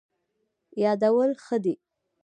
یادول ښه دی.